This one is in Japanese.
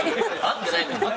合ってないんだ。